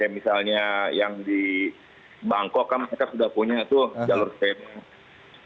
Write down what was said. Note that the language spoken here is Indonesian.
misalnya yang di bangkok kan mereka sudah punya tuh jalur sepeda